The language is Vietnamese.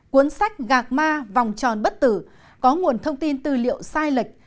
cuốn sách gạc ma vòng tròn bất tử có nguồn thông tin tư liệu sai lệch